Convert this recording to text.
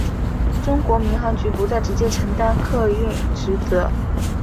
中国民航局不再直接承担客运职责。